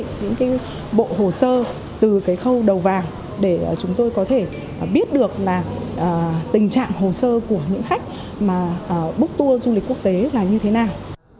công ty sp travel đã có những bộ hồ sơ từ cái khâu đầu vàng để chúng tôi có thể biết được là tình trạng hồ sơ của những khách mà book tour du lịch quốc tế là như thế nào